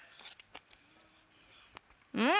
うん！